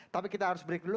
tapi kita harus break dulu